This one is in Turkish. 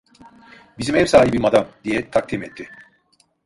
Bizim ev sahibi madam!" diye takdim etti.